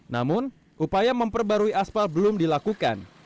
namun upaya memperbarui aspal belum dilakukan